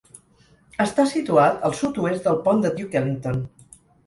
Està situat al sud-oest del pont de Duke Ellington.